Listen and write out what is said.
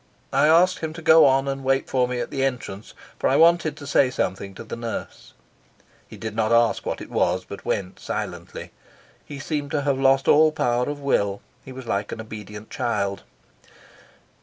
I asked him to go on and wait for me at the entrance, for I wanted to say something to the nurse. He did not ask what it was, but went silently. He seemed to have lost all power of will; he was like an obedient child.